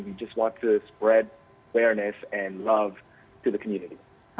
kita cuma ingin menyebarkan kesadaran dan cinta kepada masyarakat